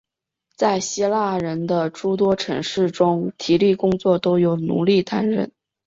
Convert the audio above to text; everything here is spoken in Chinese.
在希腊人的诸多城市中体力工作都由奴隶担任。